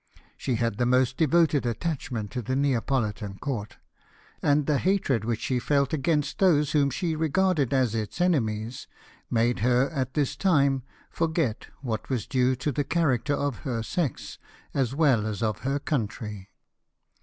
She had the most devoted attachment to the Neapolitan court ; and the hatred which she felt against those whom she regarded as its enemies made her at this time forget 188 LIFE OF NELSON. what was due to the character of her sex as well as of her country.